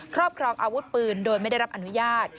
ครอบครองอาวุธปืนโดยไม่ได้รับอนุญาต